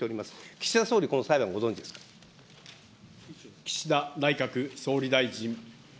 岸田総理、この裁判、ご存じです岸田内閣総理大臣。